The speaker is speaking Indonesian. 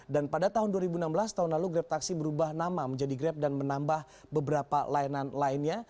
dan pada tahun dua ribu enam belas tahun lalu grab taksi berubah nama menjadi grab dan menambah beberapa layanan lainnya